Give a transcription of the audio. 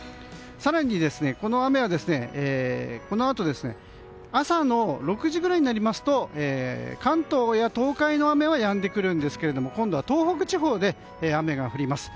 更に、この雨はこのあと朝の６時ぐらいになると関東や東海の雨はやんでくるんですけれども今度は東北地方で雨が降ります。